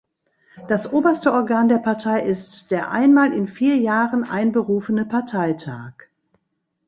Das oberste Organ der Partei ist der einmal in vier Jahren einberufene Parteitag.